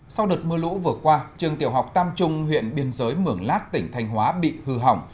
sau đợt mưa lũ vừa qua trường tiểu học tam trung huyện biên giới mường lát tỉnh thanh hóa bị hư hỏng